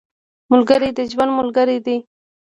ملګری د ژوند ملګری دی